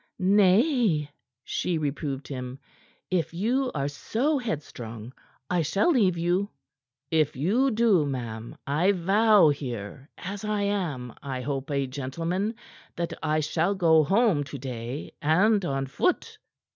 "Nay," she reproved him. "If you are so headstrong, I shall leave you." "If you do, ma'am. I vow here, as I am, I hope, a gentleman, that I shall go home to day, and on foot."